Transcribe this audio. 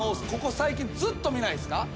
ここ最近ずっと見ないっすか？